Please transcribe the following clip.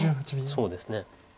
そうですね。